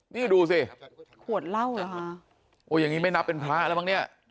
นี่ดูสิขวดเหล้าเหรอคะโอ้อย่างนี้ไม่นับเป็นพระแล้วมั้งเนี่ย